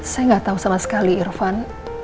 saya gak tahu sama sekali irvan